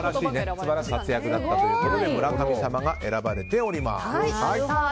素晴らしい活躍だったということで村神様が選ばれております。